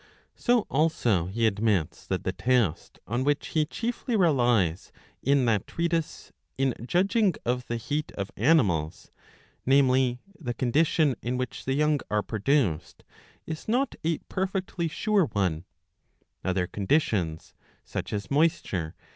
So also he admits that the test on which he chiefly relies in that treatise in judging of the heat of animals,^ namely, the condition in which the young are produced, is not a perfectly sure one ; other conditions, such as moistur e.